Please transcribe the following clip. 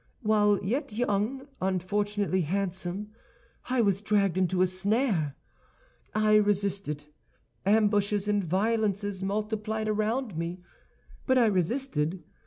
While yet young, unfortunately handsome, I was dragged into a snare. I resisted. Ambushes and violences multiplied around me, but I resisted.